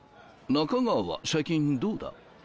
中川は最近どうだ？